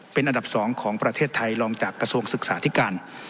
เป็นอันดับ๒ของประเทศไทยรองจากกระทรวงศึกษาธิการ